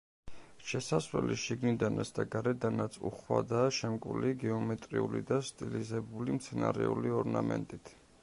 შესასვლელი შიგნიდანაც და გარედანაც უხვადაა შემკული გეომეტრიული და სტილიზებული მცენარეული ორნამენტით.